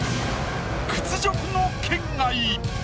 屈辱の圏外。